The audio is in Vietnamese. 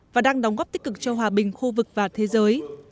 và đang đóng góp tích cực cho hòa bình khu vực và thế giới